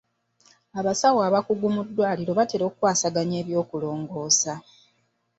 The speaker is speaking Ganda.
Abasawo abakugu ku ddwaliro ekkulu batera ku kwasaganya bya kulongoosa.